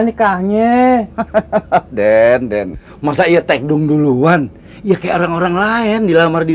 nih kangen den den masa iya tagdung duluan ya kayak orang orang lain dilamar di